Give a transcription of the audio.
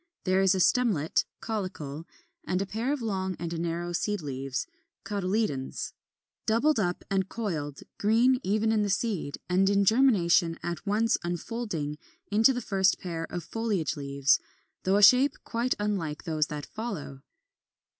There is a stemlet (caulicle) and a pair of long and narrow seed leaves (cotyledons), doubled up and coiled, green even in the seed, and in germination at once unfolding into the first pair of foliage leaves, though of shape quite unlike those that follow.